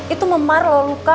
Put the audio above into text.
itu memar lalu luka